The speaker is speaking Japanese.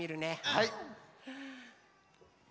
はい。